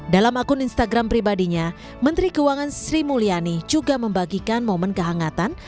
dalam akun instagram pribadinya menteri keuangan sri mulyani juga membagikan momen kehangatan